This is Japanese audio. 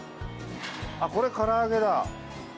あっこれ唐揚げだ。